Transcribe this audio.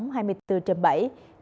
kính chào quý vị đang theo dõi bản tin